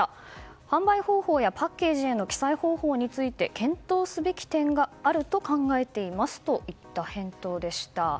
販売方法やパッケージへの記載方法について検討すべき点があると考えていますといった返答でした。